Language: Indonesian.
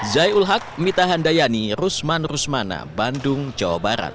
zai ulhak mita handayani rusman rusmana bandung jawa barat